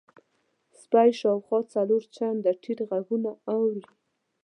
سپی شاوخوا څلور چنده ټیټ غږونه اوري.